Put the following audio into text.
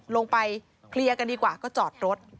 ลงไปเคลียร์กันดีกว่าก็จอดรถ